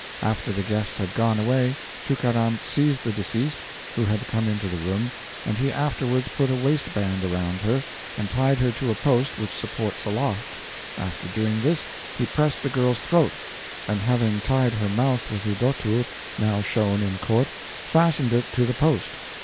After the guests had gone away, Tookaram seized the deceased, who had come into the room, and he afterwards put a waistband around her, and tied her to a post which supports a loft. After doing this, he pressed the girl's throat, and, having tied her mouth with the 'dhotur' (now shown in Court), fastened it to the post.